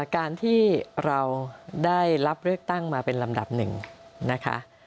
การที่เราได้รับเลือกตั้งมาเป็นลำดับหนึ่งนะคะ